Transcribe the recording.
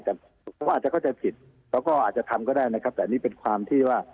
แต่เขาอาจจะเข้าใจผิดเขาก็อาจจะทำก็ได้นะครับแต่อันนี้เป็นความที่ว่า